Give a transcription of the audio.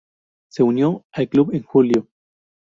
Se unió al club en Julio.